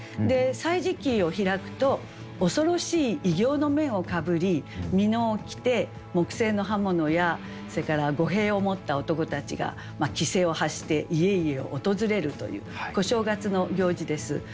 「歳時記」を開くと恐ろしい異形の面をかぶりみのを着て木製の刃物やそれから御幣を持った男たちが奇声を発して家々を訪れるという小正月の行事です。